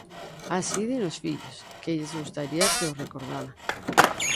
Así din os fillos, que lles gustaría que o recordaran.